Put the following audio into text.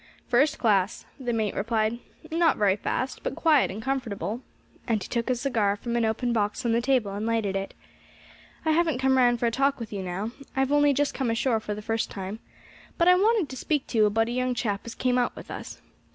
"First class," the mate replied; "not very fast, but quiet and comfortable," and he took a cigar from an open box on the table and lighted it. "I haven't come round for a talk with you now, I have only just come ashore for the first time; but I wanted to speak to you about a young chap as came out with us.